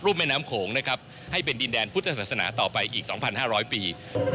แม่น้ำโขงนะครับให้เป็นดินแดนพุทธศาสนาต่อไปอีก๒๕๐๐ปี